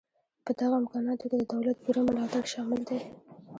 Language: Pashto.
په دغه امکاناتو کې د دولت پوره ملاتړ شامل دی